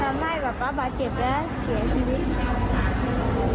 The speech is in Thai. ทำให้ป๊าเก็บแล้วเสียชีวิต